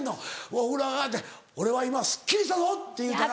お風呂上がって「俺は今すっきりしたぞ！」って言うたら。